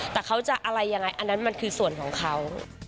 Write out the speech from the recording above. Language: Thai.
แต่เขาจะอะไรยังไงอันนั้นมันคือส่วนของเขา